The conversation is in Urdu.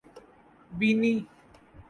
بینی